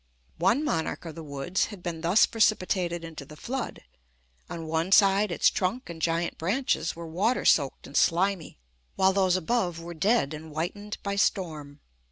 One monarch of the woods had been thus precipitated into the flood; on one side, its trunk and giant branches were water soaked and slimy, while those above were dead and whitened by storm.